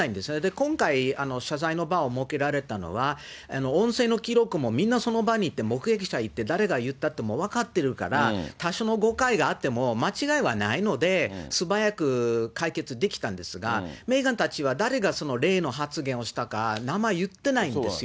今回、謝罪の場を設けられたのは、音声の記録もみんなその場にいて目撃者いて、誰が言ったって分かっているから、多少の誤解があっても間違いはないので、素早く解決できたんですが、メーガンたちは誰がその例の発言をしたか、名前言ってないんですよ。